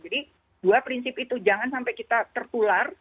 jadi dua prinsip itu jangan sampai kita tertular